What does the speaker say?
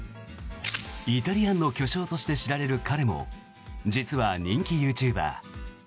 イタリアンの巨匠として知られる彼も実は人気ユーチューバー。